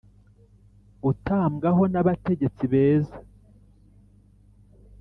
utambwa ho nabategetsi beza